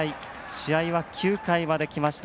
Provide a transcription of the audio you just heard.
試合は９回まできました